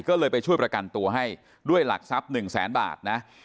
ก็เลยไปช่วยประกันตัวให้ด้วยหลักทรัพย์๑แสนบาทนะ